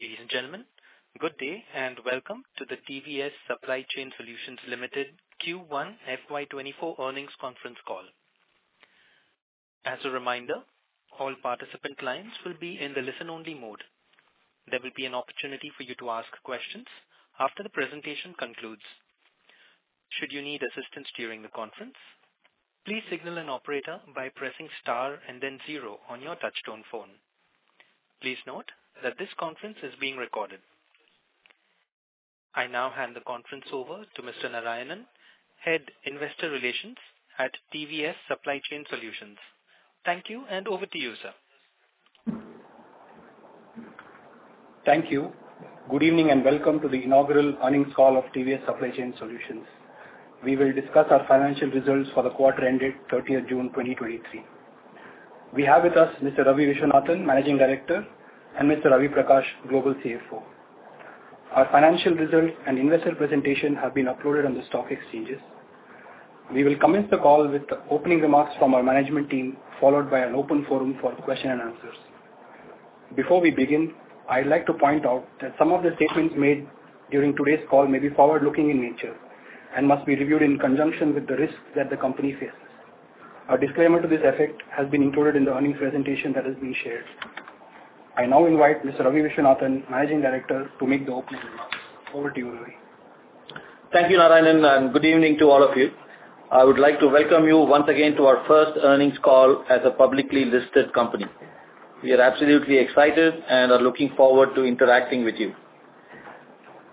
Ladies and gentlemen, good day, and welcome to the TVS Supply Chain Solutions Limited Q1 FY 2024 earnings conference call. As a reminder, all participant lines will be in the listen-only mode. There will be an opportunity for you to ask questions after the presentation concludes. Should you need assistance during the conference, please signal an operator by pressing Star and then zero on your touch-tone phone. Please note that this conference is being recorded. I now hand the conference over to Mr. Narayanan, Head, Investor Relations at TVS Supply Chain Solutions. Thank you, and over to you, sir. Thank you. Good evening, and welcome to the inaugural earnings call of TVS Supply Chain Solutions. We will discuss our financial results for the quarter ended 30th June 2023. We have with us Mr. Ravi Viswanathan, Managing Director, and Mr. Ravi Prakash, Global CFO. Our financial results and investor presentation have been uploaded on the stock exchanges. We will commence the call with the opening remarks from our management team, followed by an open forum for question and answers. Before we begin, I'd like to point out that some of the statements made during today's call may be forward-looking in nature and must be reviewed in conjunction with the risks that the company faces. Our disclaimer to this effect has been included in the earnings presentation that has been shared. I now invite Mr. Ravi Viswanathan, Managing Director, to make the opening remarks. Over to you, Ravi. Thank you, Narayanan, and good evening to all of you. I would like to welcome you once again to our first earnings call as a publicly listed company. We are absolutely excited and are looking forward to interacting with you.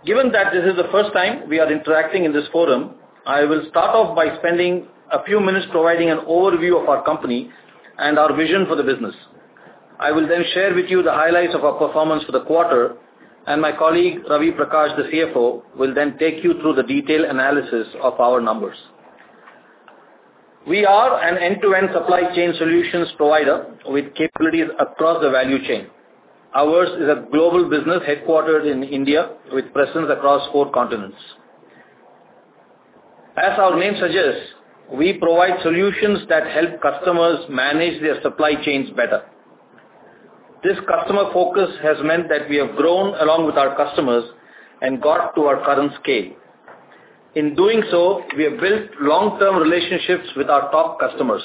Given that this is the first time we are interacting in this forum, I will start off by spending a few minutes providing an overview of our company and our vision for the business. I will then share with you the highlights of our performance for the quarter, and my colleague, Ravi Prakash, the CFO, will then take you through the detailed analysis of our numbers. We are an end-to-end supply chain solutions provider with capabilities across the value chain. Ours is a global business headquartered in India, with presence across four continents. As our name suggests, we provide solutions that help customers manage their supply chains better. This customer focus has meant that we have grown along with our customers and got to our current scale. In doing so, we have built long-term relationships with our top customers.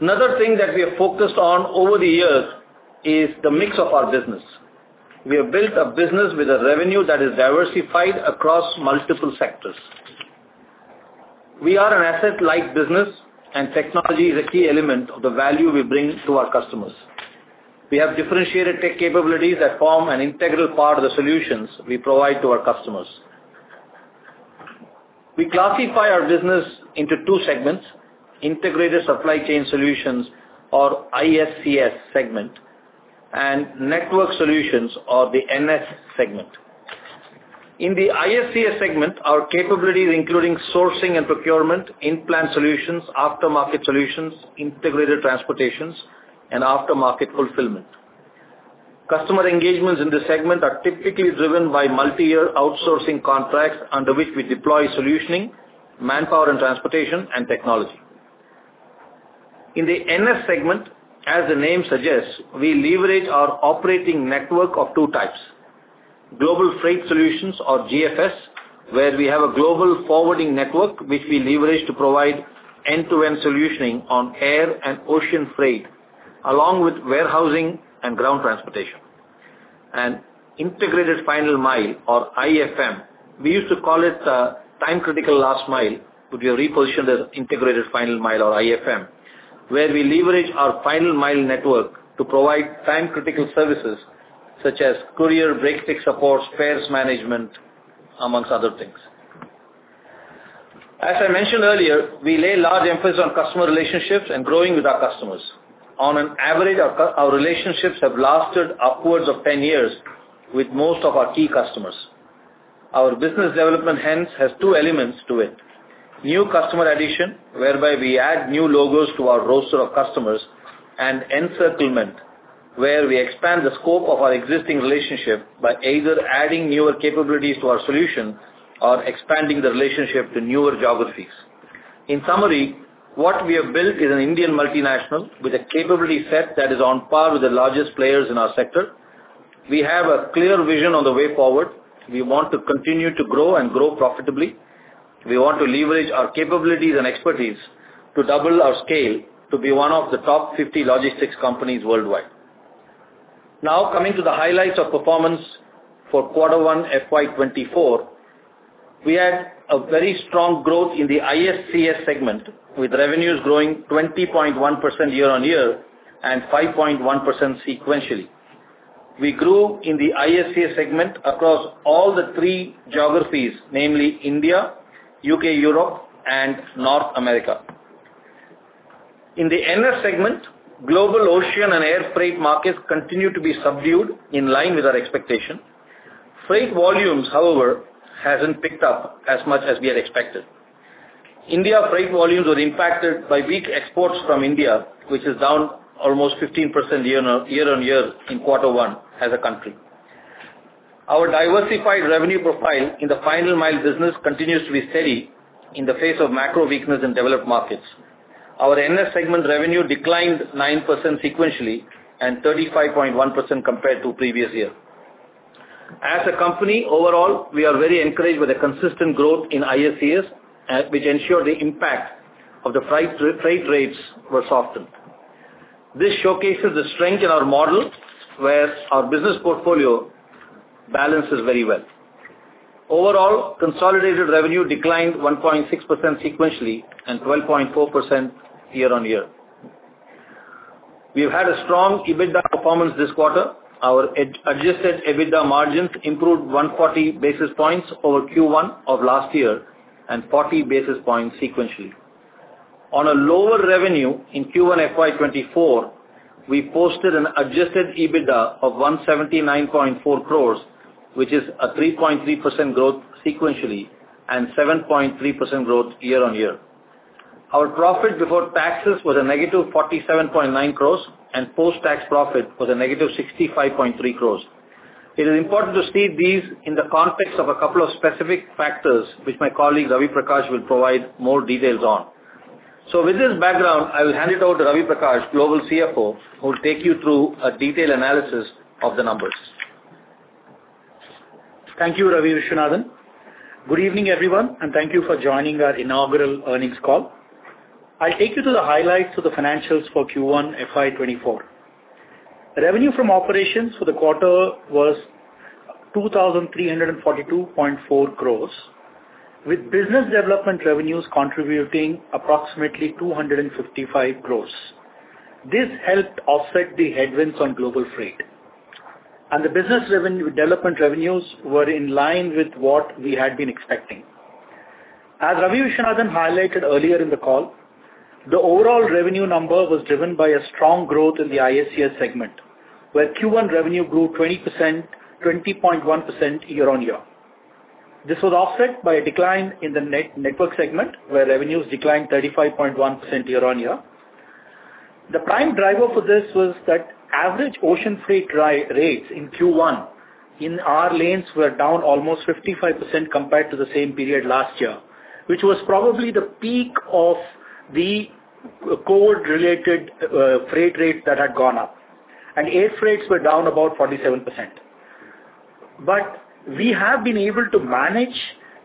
Another thing that we have focused on over the years is the mix of our business. We have built a business with a revenue that is diversified across multiple sectors. We are an asset-light business, and technology is a key element of the value we bring to our customers. We have differentiated tech capabilities that form an integral part of the solutions we provide to our customers. We classify our business into two segments: Integrated Supply Chain Solutions, or ISCS segment, and Network Solutions, or the NS segment. In the ISCS segment, our capabilities, including sourcing and procurement, in-plant solutions, aftermarket solutions, integrated transportation, and aftermarket fulfillment. Customer engagements in this segment are typically driven by multi-year outsourcing contracts, under which we deploy solutioning, manpower and transportation, and technology. In the NS segment, as the name suggests, we leverage our operating network of two types: Global Forwarding Solutions, or GFS, where we have a global forwarding network, which we leverage to provide end-to-end solutioning on air and ocean freight, along with warehousing and ground transportation. Integrated Final Mile, or IFM. We used to call it time-critical last mile, but we have repositioned as Integrated Final Mile or IFM, where we leverage our final mile network to provide time-critical services such as courier, break-fix support, spares management, among other things. As I mentioned earlier, we lay large emphasis on customer relationships and growing with our customers. On an average, our our relationships have lasted upwards of 10 years with most of our key customers. Our business development hence has two elements to it: new customer addition, whereby we add new logos to our roster of customers, and encirclement, where we expand the scope of our existing relationship by either adding newer capabilities to our solution or expanding the relationship to newer geographies. In summary, what we have built is an Indian multinational with a capability set that is on par with the largest players in our sector. We have a clear vision on the way forward. We want to continue to grow and grow profitably. We want to leverage our capabilities and expertise to double our scale to be one of the top 50 logistics companies worldwide. Now, coming to the highlights of performance for quarter 1, FY 2024, we had a very strong growth in the ISCS segment, with revenues growing 20.1% year-on-year and 5.1% sequentially. We grew in the ISCS segment across all the three geographies, namely India, U.K., Europe, and North America. In the NS segment, global ocean and air freight markets continue to be subdued in line with our expectation. Freight volumes, however, hasn't picked up as much as we had expected. India freight volumes were impacted by weak exports from India, which is down almost 15% year-on-year in quarter one as a country.... Our diversified revenue profile in the final mile business continues to be steady in the face of macro weakness in developed markets. Our NS segment revenue declined 9% sequentially, and 35.1% compared to previous year. As a company, overall, we are very encouraged with the consistent growth in ISCS, which ensured the impact of the freight rates were softened. This showcases the strength in our model, where our business portfolio balances very well. Overall, consolidated revenue declined 1.6% sequentially, and 12.4% year-on-year. We've had a strong EBITDA performance this quarter. Our adjusted EBITDA margins improved 140 basis points over Q1 of last year, and 40 basis points sequentially. On a lower revenue in Q1 FY 2024, we posted an adjusted EBITDA of 179.4 crores, which is a 3.3% growth sequentially, and 7.3% growth year-on-year. Our profit before taxes was a negative 47.9 crores, and post-tax profit was a negative 65.3 crores. It is important to see these in the context of a couple of specific factors, which my colleague, Ravi Prakash, will provide more details on. With this background, I will hand it over to Ravi Prakash, Global CFO, who will take you through a detailed analysis of the numbers. Thank you, Ravi Viswanathan. Good evening, everyone, and thank you for joining our inaugural earnings call. I'll take you to the highlights of the financials for Q1 FY 2024. Revenue from operations for the quarter was 2,342.4 crores, with business development revenues contributing approximately 255 crores. This helped offset the headwinds on global freight. The business development revenues were in line with what we had been expecting. As Ravi Viswanathan highlighted earlier in the call, the overall revenue number was driven by a strong growth in the ISCS segment, where Q1 revenue grew 20%, 20.1% year-on-year. This was offset by a decline in the Network segment, where revenues declined 35.1% year-on-year. The prime driver for this was that average ocean freight rates in Q1, in our lanes, were down almost 55% compared to the same period last year, which was probably the peak of the COVID-related freight rates that had gone up, and air freights were down about 47%. But we have been able to manage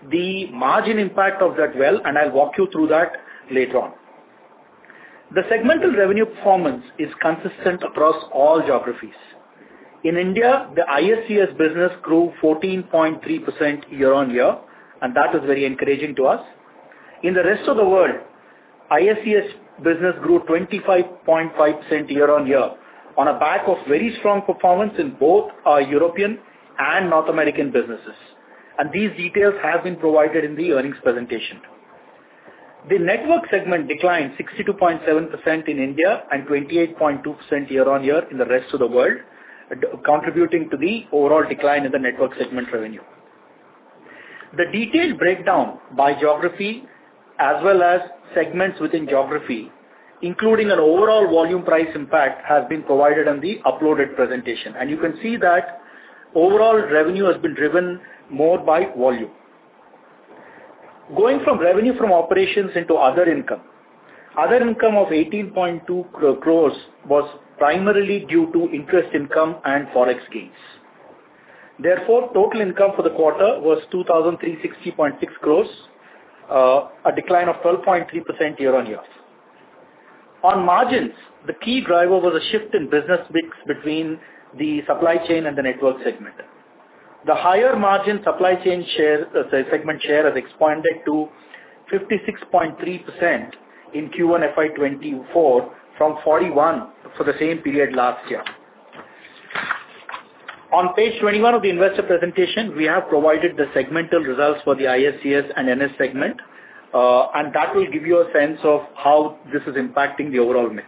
the margin impact of that well, and I'll walk you through that later on. The segmental revenue performance is consistent across all geographies. In India, the ISCS business grew 14.3% year-on-year, and that is very encouraging to us. In the rest of the world, ISCS business grew 25.5% year-on-year, on a back of very strong performance in both our European and North American businesses, and these details have been provided in the earnings presentation. The network segment declined 62.7% in India, and 28.2% year-on-year in the rest of the world, contributing to the overall decline in the network segment revenue. The detailed breakdown by geography, as well as segments within geography, including an overall volume price impact, has been provided on the uploaded presentation. And you can see that overall revenue has been driven more by volume. Going from revenue from operations into other income. Other income of 18.2 crores was primarily due to interest income and Forex gains. Therefore, total income for the quarter was 2,360.6 crores, a decline of 12.3% year-on-year. On margins, the key driver was a shift in business mix between the supply chain and the network segment. The higher margin supply chain share, segment share, has expanded to 56.3% in Q1 FY 2024 from 41% for the same period last year. On page 21 of the investor presentation, we have provided the segmental results for the ISCS and NS segment, and that will give you a sense of how this is impacting the overall mix.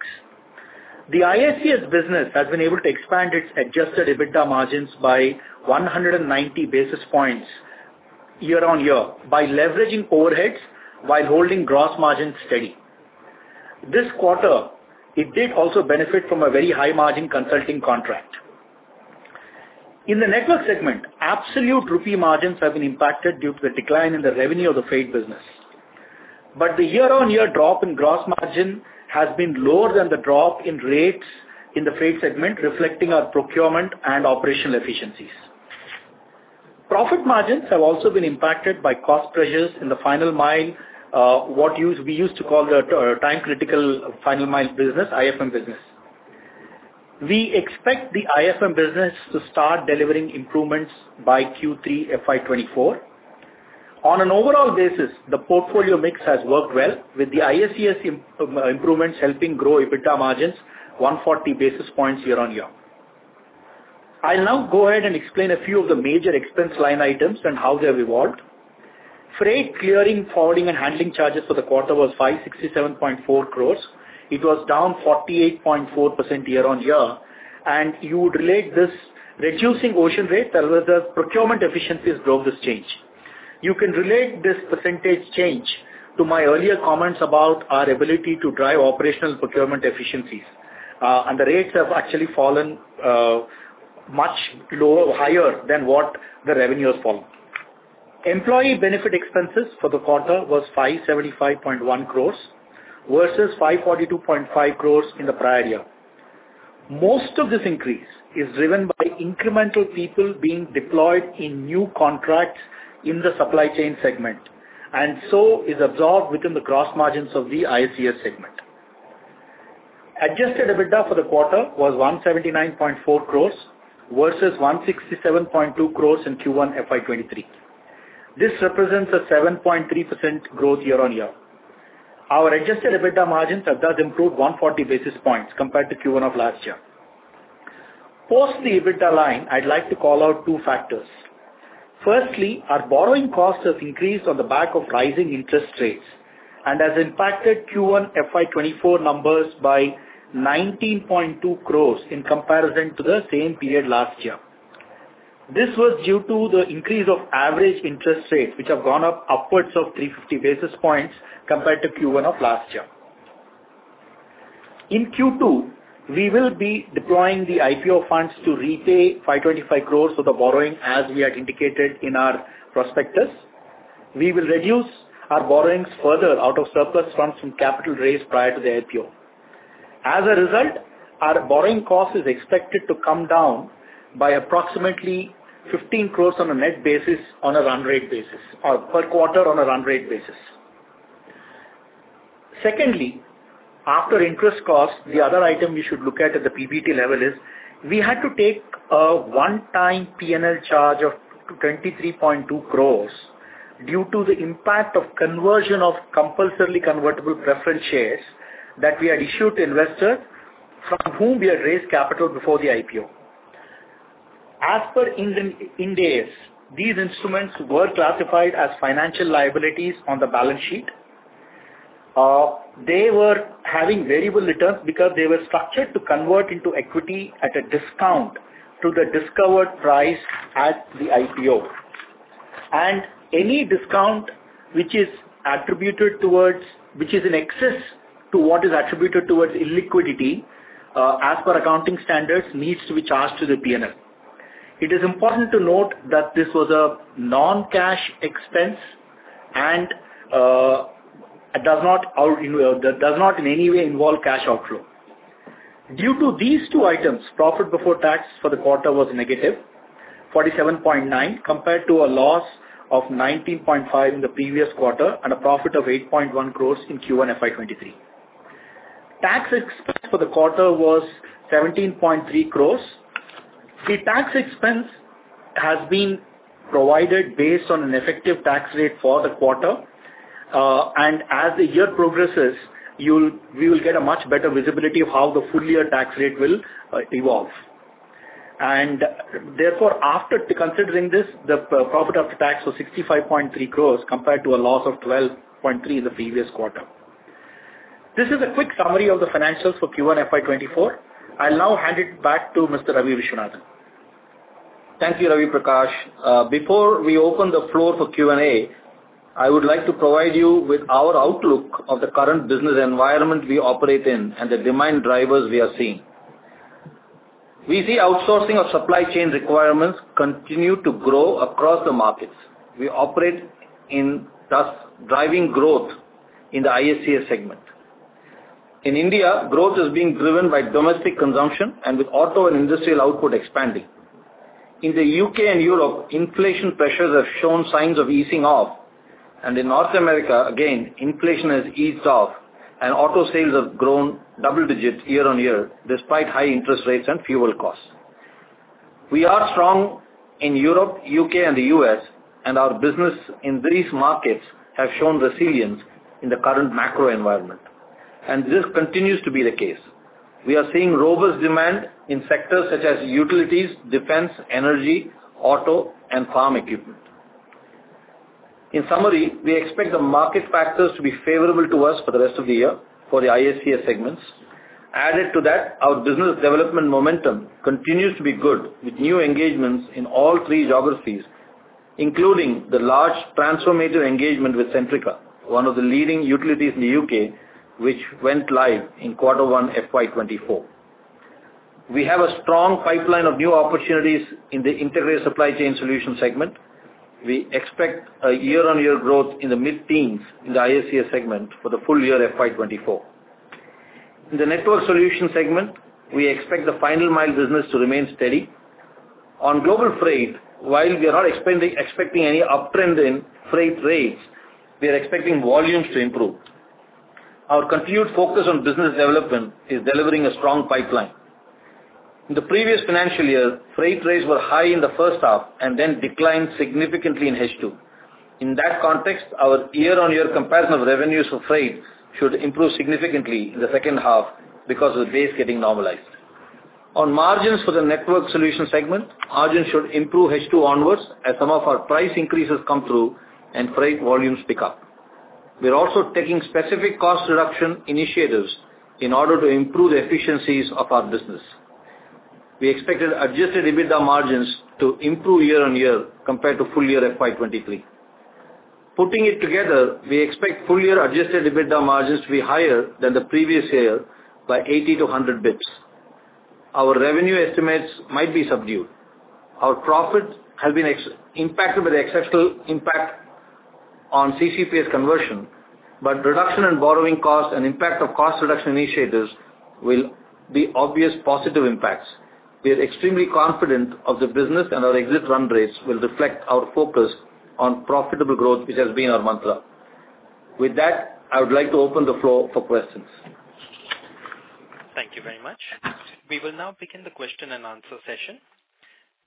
The ISCS business has been able to expand its adjusted EBITDA margins by 190 basis points year-on-year by leveraging overheads while holding gross margins steady. This quarter, it did also benefit from a very high-margin consulting contract. In the network segment, absolute rupee margins have been impacted due to a decline in the revenue of the freight business. But the year-on-year drop in gross margin has been lower than the drop in rates in the freight segment, reflecting our procurement and operational efficiencies. Profit margins have also been impacted by cost pressures in the final mile, what we used to call the time-critical final mile business, IFM business. We expect the IFM business to start delivering improvements by Q3 FY 2024. On an overall basis, the portfolio mix has worked well, with the ISCS improvements helping grow EBITDA margins 140 basis points year-on-year. I'll now go ahead and explain a few of the major expense line items and how they have evolved. Freight clearing, forwarding, and handling charges for the quarter was 567.4 crore. It was down 48.4% year-on-year, and you would relate this, reducing ocean rates, as well as procurement efficiencies drove this change. You can relate this percentage change to my earlier comments about our ability to drive operational procurement efficiencies. And the rates have actually fallen much lower higher than what the revenue has fallen. Employee benefit expenses for the quarter was 575.1 crores, versus 542.5 crores in the prior year. Most of this increase is driven by incremental people being deployed in new contracts in the supply chain segment, and so is absorbed within the gross margins of the ISCS segment. Adjusted EBITDA for the quarter was 179.4 crores, versus 167.2 crores in Q1 FY 2023. This represents a 7.3% growth year-on-year. Our adjusted EBITDA margins have thus improved 140 basis points compared to Q1 of last year. Post the EBITDA line, I'd like to call out two factors. Firstly, our borrowing cost has increased on the back of rising interest rates, and has impacted Q1 FY 2024 numbers by 19.2 crore in comparison to the same period last year. This was due to the increase of average interest rates, which have gone up upwards of 350 basis points compared to Q1 of last year. In Q2, we will be deploying the IPO funds to repay 525 crore for the borrowing, as we had indicated in our prospectus. We will reduce our borrowings further out of surplus funds from capital raised prior to the IPO. As a result, our borrowing cost is expected to come down by approximately 15 crore on a net basis, on a run rate basis, or per quarter on a run rate basis. Secondly, after interest cost, the other item you should look at at the PBT level is, we had to take a one-time PNL charge of 23.2 crore due to the impact of conversion of compulsorily convertible preference shares that we had issued to investors, from whom we had raised capital before the IPO. As per Ind AS, these instruments were classified as financial liabilities on the balance sheet. They were having variable returns because they were structured to convert into equity at a discount to the discovered price at the IPO. And any discount which is in excess to what is attributed towards illiquidity, as per accounting standards, needs to be charged to the PNL. It is important to note that this was a non-cash expense and, it does not in any way involve cash outflow. Due to these two items, profit before tax for the quarter was -47.9 crores, compared to a loss of 19.5 crores in the previous quarter, and a profit of 8.1 crores in Q1 FY 2023. Tax expense for the quarter was 17.3 crores. The tax expense has been provided based on an effective tax rate for the quarter. And as the year progresses, we will get a much better visibility of how the full year tax rate will evolve. And therefore, after considering this, the profit after tax was 65.3 crores, compared to a loss of 12.3 crores in the previous quarter. This is a quick summary of the financials for Q1 FY 2024. I'll now hand it back to Mr. Ravi Viswanathan. Thank you, Ravi Prakash. Before we open the floor for Q&A, I would like to provide you with our outlook of the current business environment we operate in, and the demand drivers we are seeing. We see outsourcing of supply chain requirements continue to grow across the markets we operate in, thus driving growth in the ISCS segment. In India, growth is being driven by domestic consumption and with auto and industrial output expanding. In the U.K. and Europe, inflation pressures have shown signs of easing off, and in North America, again, inflation has eased off, and auto sales have grown double digits year-on-year, despite high interest rates and fuel costs. We are strong in Europe, U.K., and the U.S., and our business in these markets have shown resilience in the current macro environment, and this continues to be the case. We are seeing robust demand in sectors such as utilities, defense, energy, auto, and farm equipment. In summary, we expect the market factors to be favorable to us for the rest of the year for the ISCS segments. Added to that, our business development momentum continues to be good, with new engagements in all three geographies, including the large transformative engagement with Centrica, one of the leading utilities in the UK, which went live in quarter one, FY 2024. We have a strong pipeline of new opportunities in the integrated supply chain solution segment. We expect a year-on-year growth in the mid-teens in the ISCS segment for the full year FY 2024. In the network solution segment, we expect the final mile business to remain steady. On global freight, while we are not expecting any uptrend in freight rates, we are expecting volumes to improve. Our continued focus on business development is delivering a strong pipeline. In the previous financial year, freight rates were high in the first half, and then declined significantly in H2. In that context, our year-on-year comparison of revenues for freight should improve significantly in the second half because of the base getting normalized. On margins for the Network Solutions segment, margins should improve H2 onwards, as some of our price increases come through and freight volumes pick up. We are also taking specific cost reduction initiatives in order to improve the efficiencies of our business. ...We expected adjusted EBITDA margins to improve year-on-year compared to full year FY 2023. Putting it together, we expect full year adjusted EBITDA margins to be higher than the previous year by 80-100 basis points. Our revenue estimates might be subdued. Our profits have been impacted with exceptional impact on CCPS conversion, but reduction in borrowing costs and impact of cost reduction initiatives will be obvious positive impacts. We are extremely confident of the business, and our exit run rates will reflect our focus on profitable growth, which has been our mantra. With that, I would like to open the floor for questions. Thank you very much. We will now begin the question-and-answer session.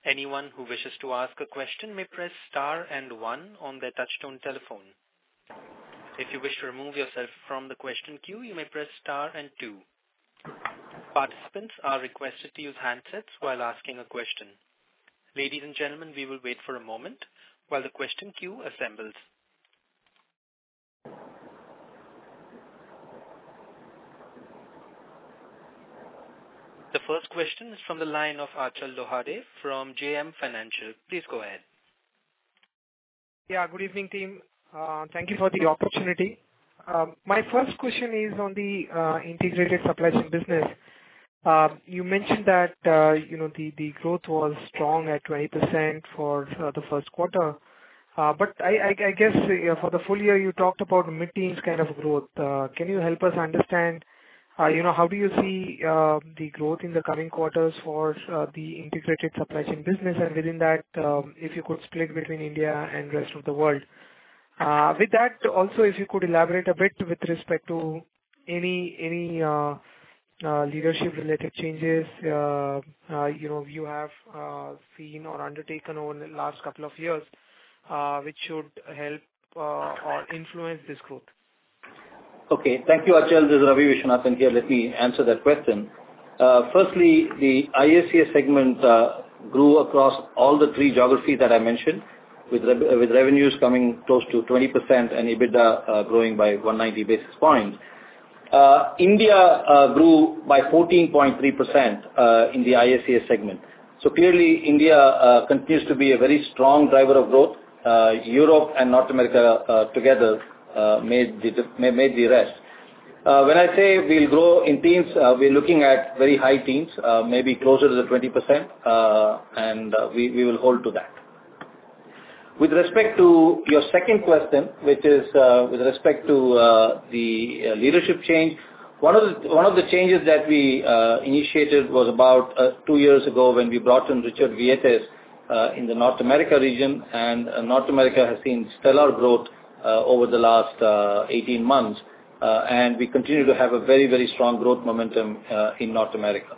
Anyone who wishes to ask a question may press star and one on their touchtone telephone. If you wish to remove yourself from the question queue, you may press star and two. Participants are requested to use handsets while asking a question. Ladies and gentlemen, we will wait for a moment while the question queue assembles. The first question is from the line of Achal Lohade from JM Financial. Please go ahead. Yeah, good evening, team. Thank you for the opportunity. My first question is on the integrated supply chain business. You mentioned that, you know, the growth was strong at 20% for the first quarter. But I guess for the full year, you talked about mid-teens kind of growth. Can you help us understand, you know, how do you see the growth in the coming quarters for the integrated supply chain business? And within that, if you could split between India and rest of the world. With that, also, if you could elaborate a bit with respect to any leadership-related changes, you know, you have seen or undertaken over the last couple of years, which should help or influence this growth. Okay. Thank you, Achal. This is Ravi Viswanathan here. Let me answer that question. Firstly, the ISCS segment grew across all the three geographies that I mentioned, with revenues coming close to 20% and EBITDA growing by 190 basis points. India grew by 14.3% in the ISCS segment. So clearly, India continues to be a very strong driver of growth. Europe and North America together made the rest. When I say we'll grow in teens, we're looking at very high teens, maybe closer to the 20%, and we will hold to that. With respect to your second question, which is with respect to the leadership change, one of the changes that we initiated was about two years ago when we brought in Richard Vieites in the North America region, and North America has seen stellar growth over the last 18 months. And we continue to have a very, very strong growth momentum in North America.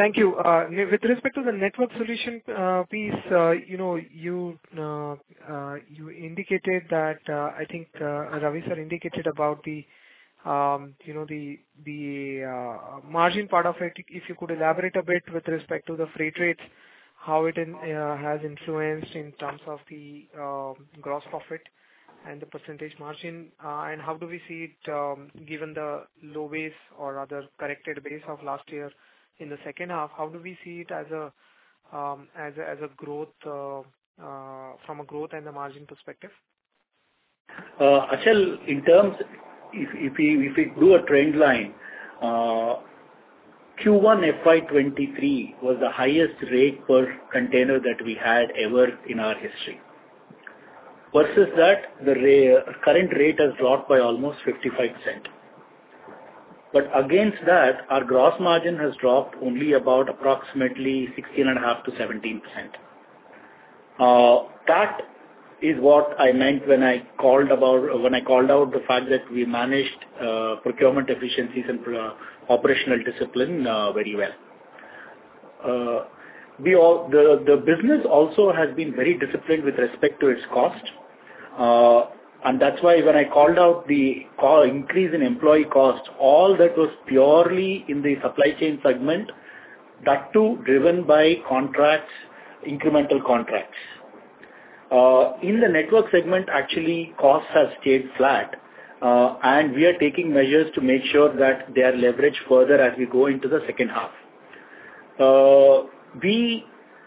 Thank you. With respect to the Network Solutions piece, you know, you indicated that, I think, Ravi, sir, indicated about the, you know, the margin part of it. If you could elaborate a bit with respect to the freight rates, how it has influenced in terms of the gross profit and the percentage margin? And how do we see it, given the low base or rather corrected base of last year in the second half, how do we see it as a growth from a growth and a margin perspective? Achal, if we do a trend line, Q1 FY 2023 was the highest rate per container that we had ever in our history. Versus that, the current rate has dropped by almost 55%. But against that, our gross margin has dropped only about approximately 16.5%-17%. That is what I meant when I called out the fact that we managed procurement efficiencies and operational discipline very well. The business also has been very disciplined with respect to its cost. And that's why when I called out the increase in employee costs, all that was purely in the supply chain segment, that too driven by contracts, incremental contracts. In the network segment, actually, costs have stayed flat, and we are taking measures to make sure that they are leveraged further as we go into the second half. We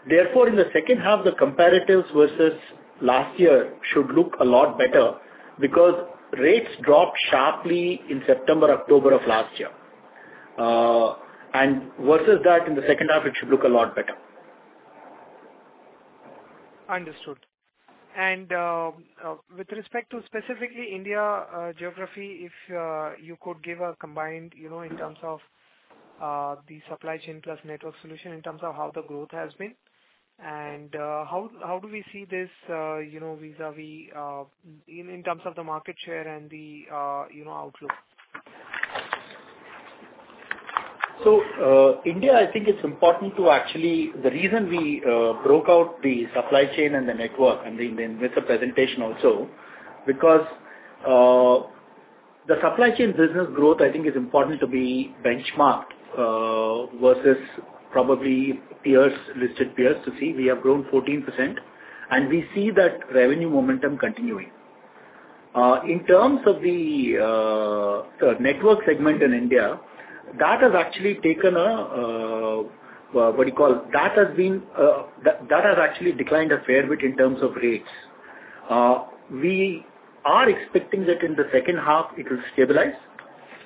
therefore, in the second half, the comparatives versus last year should look a lot better because rates dropped sharply in September, October of last year. And versus that, in the second half, it should look a lot better. Understood. And, with respect to specifically India geography, if you could give a combined, you know, in terms of the supply chain plus network solution, in terms of how the growth has been, and how do we see this, you know, vis-a-vis, in terms of the market share and the, you know, outlook? So, India, I think it's important to actually. The reason we broke out the supply chain and the network, and with the presentation also, because. The supply chain business growth, I think, is important to be benchmarked versus probably peers, listed peers, to see. We have grown 14%, and we see that revenue momentum continuing. In terms of the network segment in India, that has actually taken a, what do you call? That has been, that has actually declined a fair bit in terms of rates. We are expecting that in the second half, it will stabilize,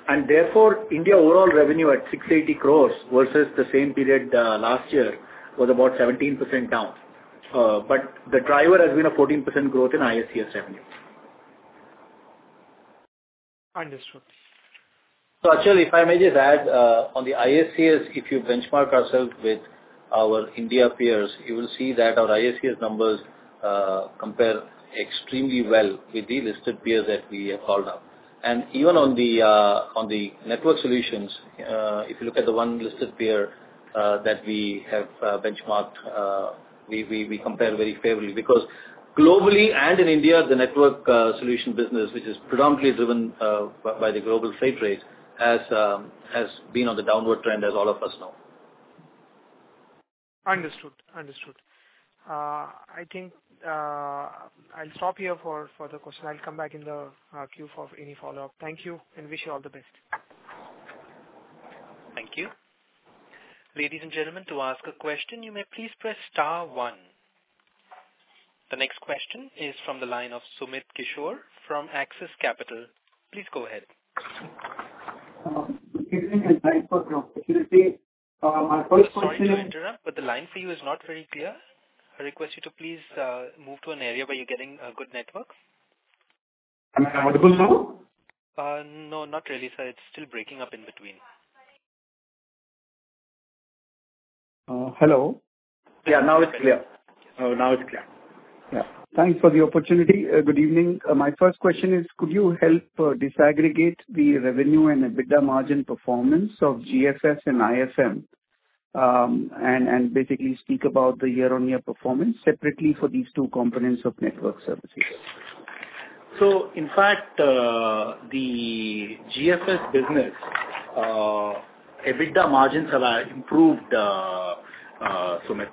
and therefore, India overall revenue at 680 crores versus the same period last year, was about 17% down. But the driver has been a 14% growth in ISCS revenue. Understood. So actually, if I may just add, on the ISCS, if you benchmark ourselves with our India peers, you will see that our ISCS numbers compare extremely well with the listed peers that we have called out. And even on the network solutions, if you look at the one listed peer that we have benchmarked, we compare very favorably. Because globally and in India, the network solution business, which is predominantly driven by the global freight rate, has been on the downward trend, as all of us know. Understood. Understood. I think, I'll stop here for, for the question. I'll come back in the queue for any follow-up. Thank you, and wish you all the best. Thank you. Ladies and gentlemen, to ask a question, you may please press star one. The next question is from the line of Sumit Kishore from Axis Capital. Please go ahead. Good evening, and thanks for the opportunity. My first question- Sorry to interrupt, but the line for you is not very clear. I request you to please move to an area where you're getting good network. Am I audible now? No, not really, sir. It's still breaking up in between. Hello. Yeah, now it's clear. Now it's clear. Yeah. Thanks for the opportunity. Good evening. My first question is, could you help disaggregate the revenue and EBITDA margin performance of GFS and IFM, and basically speak about the year-on-year performance separately for these two components of network services? So in fact, the GFS business, EBITDA margins have improved, Sumit,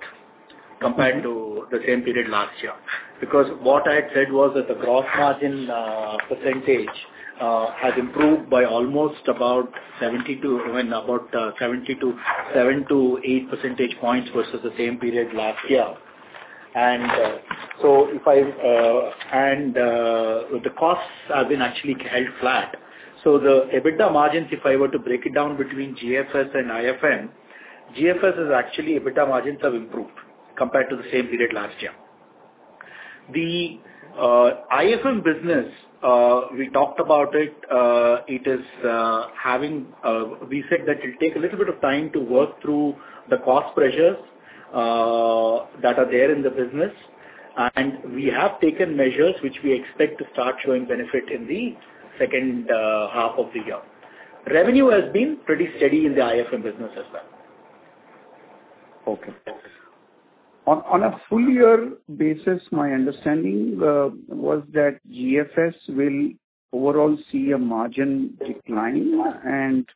compared to the same period last year. Because what I had said was that the gross margin percentage has improved by almost 7-8 percentage points versus the same period last year. And, the costs have been actually held flat. So the EBITDA margins, if I were to break it down between GFS and IFM, GFS is actually EBITDA margins have improved compared to the same period last year. The IFM business, we talked about it, it is having, we said that it'll take a little bit of time to work through the cost pressures that are there in the business. We have taken measures which we expect to start showing benefit in the second half of the year. Revenue has been pretty steady in the IFM business as well. Okay. Thanks. On a full year basis, my understanding was that GFS will overall see a margin decline. And,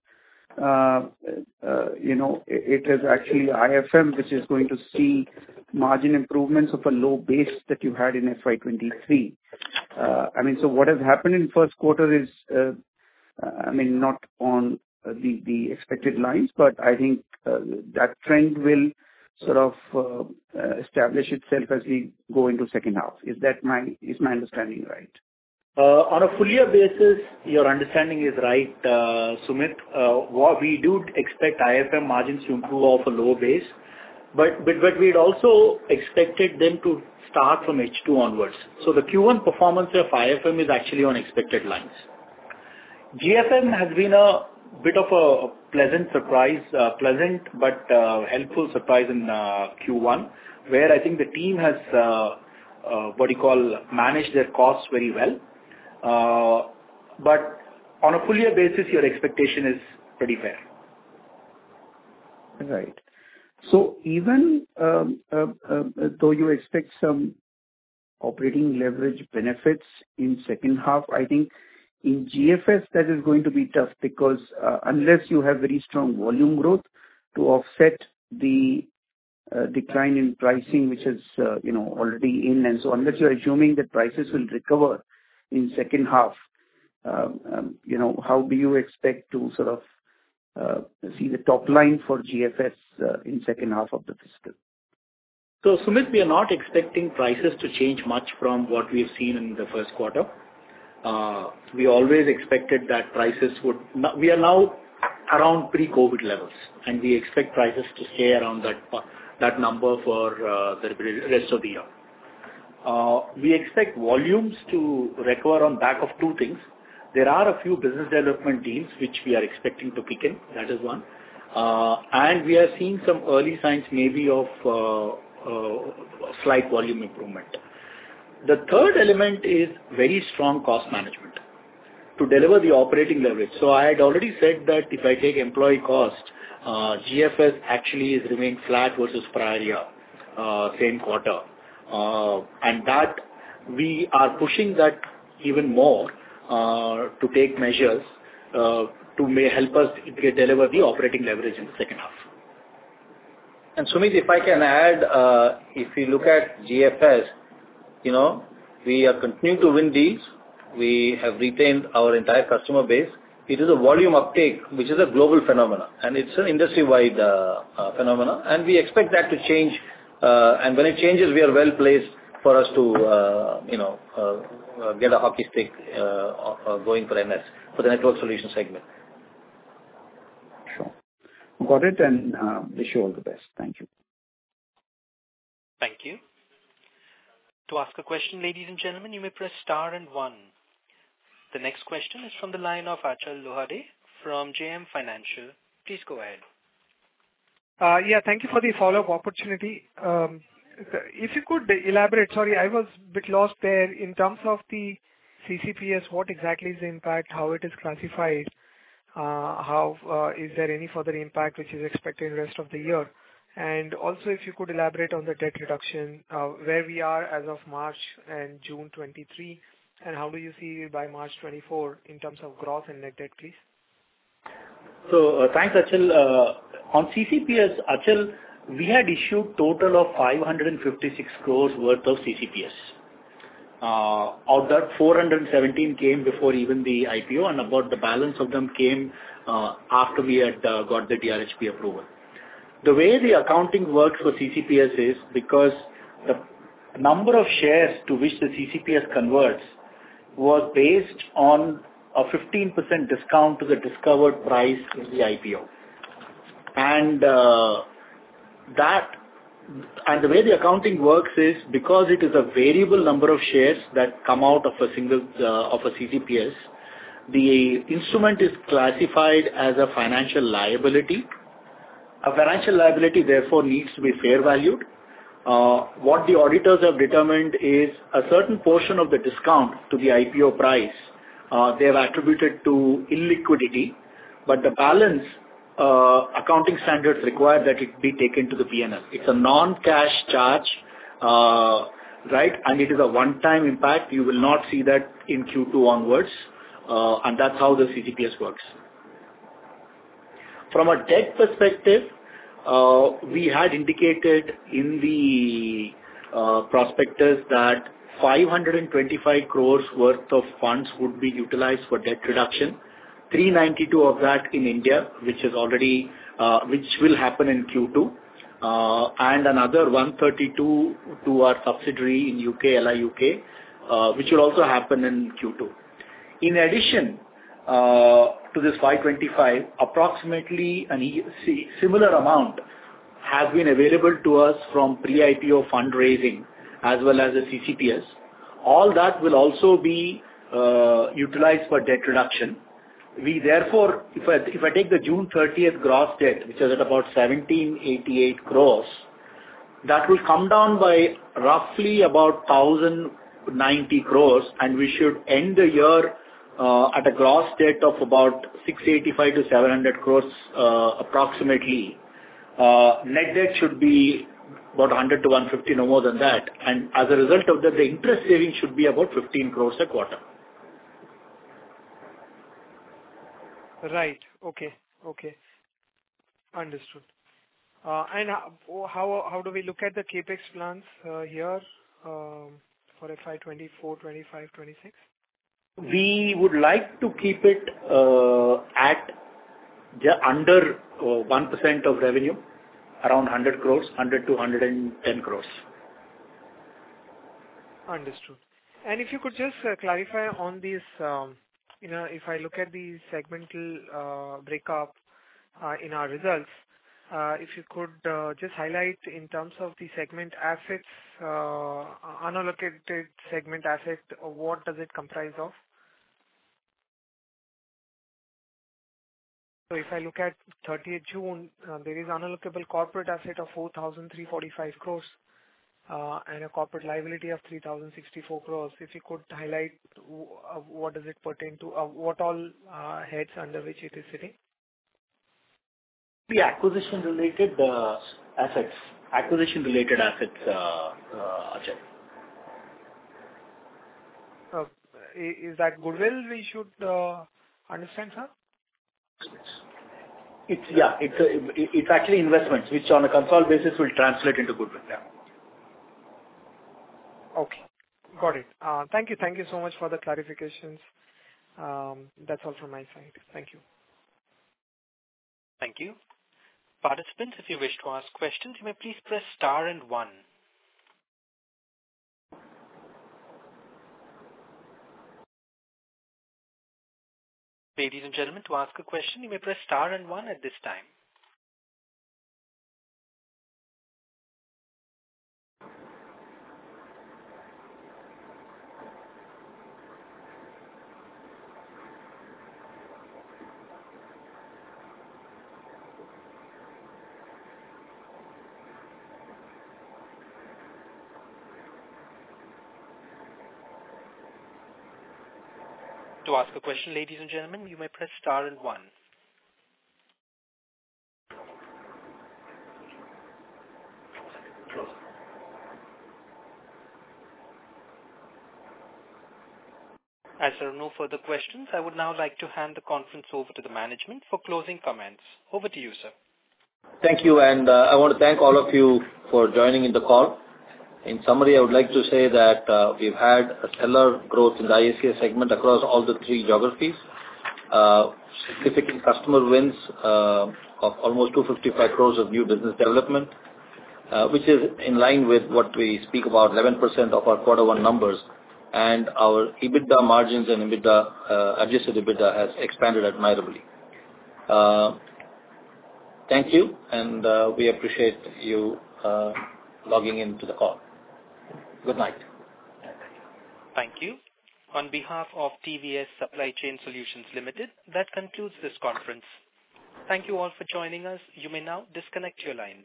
you know, it is actually IFM which is going to see margin improvements of a low base that you had in FY 2023. I mean, so what has happened in first quarter is, I mean, not on the expected lines, but I think that trend will sort of establish itself as we go into second half. Is that my... Is my understanding right? On a full year basis, your understanding is right, Sumit. What we do expect IFM margins to improve off a low base, but we'd also expected them to start from H2 onwards. So the Q1 performance of IFM is actually on expected lines. GFS has been a bit of a pleasant surprise, pleasant but, helpful surprise in Q1, where I think the team has, what you call, managed their costs very well. But on a full year basis, your expectation is pretty fair. Right. So even though you expect some operating leverage benefits in second half, I think in GFS that is going to be tough, because unless you have very strong volume growth to offset the decline in pricing, which is, you know, already in. And so unless you're assuming the prices will recover in second half, you know, how do you expect to sort of see the top line for GFS in second half of the fiscal? So, Sumit, we are not expecting prices to change much from what we have seen in the first quarter. We always expected that prices would. We are now around pre-COVID levels, and we expect prices to stay around that number for the rest of the year. We expect volumes to recover on back of two things. There are a few business development deals which we are expecting to kick in, that is one. And we are seeing some early signs maybe of slight volume improvement. The third element is very strong cost management to deliver the operating leverage. So I had already said that if I take employee cost, GFS actually has remained flat versus prior year, same quarter.... and that we are pushing that even more, to take measures, to may help us deliver the operating leverage in the second half. And Sumit, if I can add, if you look at GFS, you know, we are continuing to win these. We have retained our entire customer base. It is a volume uptake, which is a global phenomenon, and it's an industry-wide, phenomenon, and we expect that to change. And when it changes, we are well-placed for us to, you know, get a hockey stick, going for NS, for the network solution segment. Sure. Got it, and wish you all the best. Thank you. Thank you. To ask a question, ladies and gentlemen, you may press Star and One. The next question is from the line of Achal Lohade from JM Financial. Please go ahead. Yeah, thank you for the follow-up opportunity. If you could elaborate... Sorry, I was a bit lost there. In terms of the CCPS, what exactly is the impact, how it is classified, how is there any further impact which is expected the rest of the year? And also, if you could elaborate on the debt reduction, where we are as of March and June 2023, and how do you see it by March 2024 in terms of growth and net debt, please? So thanks, Achal. On CCPS, Achal, we had issued a total of 556 crore worth of CCPS. Of that, 417 crore came before even the IPO, and about the balance of them came after we had got the DRHP approval. The way the accounting works for CCPS is because the number of shares to which the CCPS converts was based on a 15% discount to the discovered price in the IPO. And the way the accounting works is because it is a variable number of shares that come out of a single of a CCPS, the instrument is classified as a financial liability. A financial liability, therefore, needs to be fair valued. What the auditors have determined is a certain portion of the discount to the IPO price, they have attributed to illiquidity, but the balance, accounting standards require that it be taken to the P&L. It's a non-cash charge, right? And it is a one-time impact. You will not see that in Q2 onwards, and that's how the CCPS works. From a debt perspective, we had indicated in the prospectus that 525 crore worth of funds would be utilized for debt reduction, 392 crore of that in India, which is already, which will happen in Q2, and another 132 crore to our subsidiary in the UK, which will also happen in Q2. In addition, to this 525 crore, approximately similar amount has been available to us from pre-IPO fundraising as well as the CCPS. All that will also be utilized for debt reduction. We therefore, if I, if I take the June 30 gross debt, which is at about 1,788 crores, that will come down by roughly about 1,090 crores, and we should end the year at a gross debt of about 685-700 crores, approximately. Net debt should be about 100-150 crores, no more than that, and as a result of that, the interest saving should be about 15 crores a quarter. Right. Okay. Okay. Understood. And how, how do we look at the CapEx plans here for FY 2024, 2025, 2026? We would like to keep it under 1% of revenue, around 100 crore, 100 crore-110 crore. Understood. And if you could just clarify on this, you know, if I look at the segmental breakup in our results, if you could just highlight in terms of the segment assets, unallocated segment asset, what does it comprise of? So if I look at 30th June, there is unallocated corporate asset of 4,345 crores, and a corporate liability of 3,064 crores. If you could highlight, what does it pertain to, what all heads under which it is sitting? The acquisition-related assets. Acquisition-related assets, Achal. Is that goodwill we should understand, sir? Yeah, it's actually investments, which on a consolidated basis, will translate into goodwill. Yeah. Okay. Got it. Thank you. Thank you so much for the clarifications. That's all from my side. Thank you. Thank you. Participants, if you wish to ask questions, you may please press Star and One. Ladies and gentlemen, to ask a question, you may press Star and One at this time. To ask a question, ladies and gentlemen, you may press Star and One. As there are no further questions, I would now like to hand the conference over to the management for closing comments. Over to you, sir. Thank you, and I want to thank all of you for joining in the call. In summary, I would like to say that we've had a stellar growth in the ISCS segment across all the three geographies. Significant customer wins of almost 255 crore of new business development, which is in line with what we speak about, 11% of our quarter one numbers, and our EBITDA margins and adjusted EBITDA has expanded admirably. Thank you, and we appreciate you logging into the call. Good night. Thank you. On behalf of TVS Supply Chain Solutions Limited, that concludes this conference. Thank you all for joining us. You may now disconnect your lines.